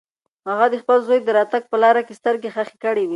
هغه د خپل زوی د راتګ په لاره کې سترګې خښې کړې وې.